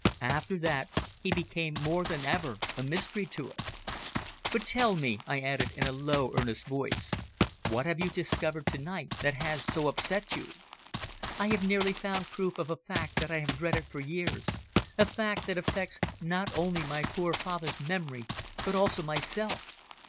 After that he became more than ever a mystery to us. But tell me," I added in a low, earnest voice, "what have you discovered to night that has so upset you?" "I have nearly found proof of a fact that I have dreaded for years a fact that affects not only my poor father's memory, but also myself.